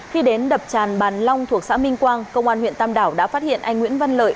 khi đến đập tràn bàn long thuộc xã minh quang công an huyện tam đảo đã phát hiện anh nguyễn văn lợi